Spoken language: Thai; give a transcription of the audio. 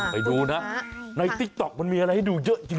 ไปดูนะในติ๊กต๊อกมันมีอะไรให้ดูเยอะจริง